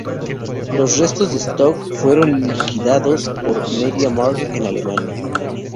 Los restos de stock fueron liquidados por Media Markt en Alemania.